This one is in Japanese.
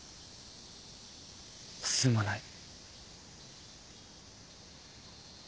すまない。